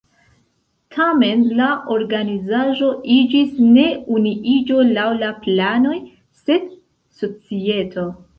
Tamen la organizaĵo iĝis ne Unuiĝo laŭ la planoj, sed "Societo".